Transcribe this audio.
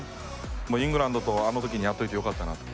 イングランドと、あの時にやっておいてよかったなって。